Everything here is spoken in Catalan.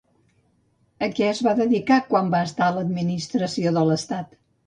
A què es va dedicar quan va estar a l'Administració de l'Estat?